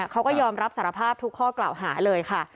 เขาก็ยอมรับสารภาพทุกข้อกล่าวหาเลยค่ะ